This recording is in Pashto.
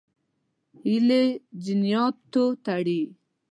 هیلې جنیاتو تړي.